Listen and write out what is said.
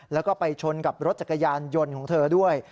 แล้วก็ไปชนกับรถจักรยานยนต์ของเธอด้วย